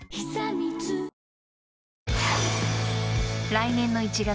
［来年の１月。